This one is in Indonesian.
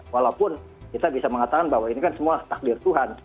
walaupun kita bisa mengatakan bahwa ini kan semua takdir tuhan